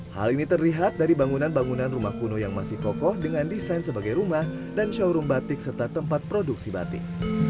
hal ini terlihat dari bangunan bangunan rumah kuno yang masih kokoh dengan desain sebagai rumah dan showroom batik serta tempat produksi batik